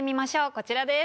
こちらです。